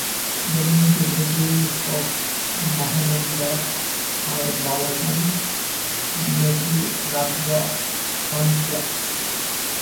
The main tributaries of the Mahananda are Balason, Mechi, Ratwa, Kankai.